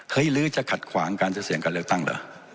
เฮ้ยลื้อจะขัดขวางการซื้อเสียงเลือกตั้งเหรอ